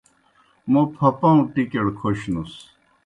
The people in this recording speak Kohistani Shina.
موں پھپَؤں ٹِکیْڑ کھونُس۔